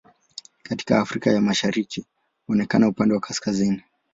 Katika Afrika ya Mashariki huonekana upande wa kaskazini.